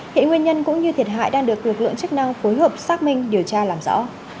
hiện nguyên nhân cũng như thiệt hại đang được lực lượng chức năng phối hợp xác minh điều tra làm rõ